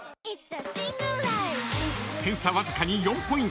［点差わずかに４ポイント］